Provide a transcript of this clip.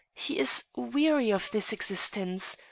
... He is weary of this exist ence.